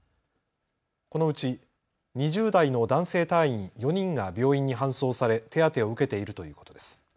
このうち２０代の男性隊員４人が病院に搬送され手当てを受けているということです。